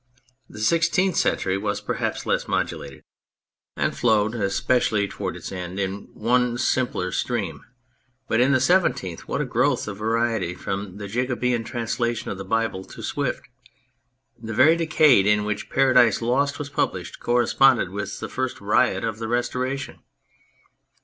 The Sixteenth Century was perhaps less modulated, and flowed, especially 143 On Anything towards its end, in one simpler stream, but in the Seventeenth what a growth of variety from the Jacobean translation of the Bible to Swift. The very decade in which Paradise Lost was published corresponded with the first riot of the Restoration.